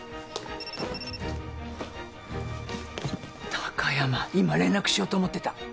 貴山今連絡しようと思ってた。